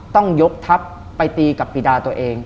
ต้องยกทัพไปตีกับปีดาตัวเอง